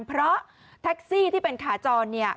เพราะแท็กซี่ที่เป็นขาจรเนี่ย